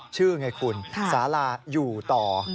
ชื่อไงคุณสาราอยู่ต่อ